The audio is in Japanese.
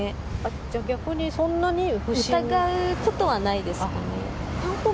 じゃあ、疑うことはないですね。